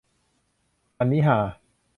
อันนี้ฮา